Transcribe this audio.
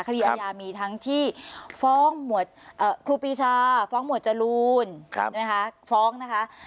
คดีอายามีทั้งที่ฟ้องหมวดครูปีชาฟ้องหมวดจรูนฟ้องนะคะ